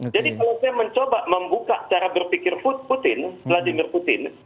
jadi kuk mencoba membuka cara berpikir putin vladimir putin